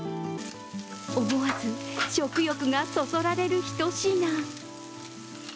おもわず、食欲がそそられるひと品。